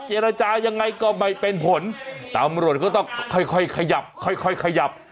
เจรจายังไงก็ไม่เป็นผลตำรวจก็ต้องค่อยขยับค่อยขยับ